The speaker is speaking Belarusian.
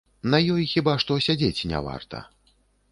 На ёй хіба што сядзець не варта.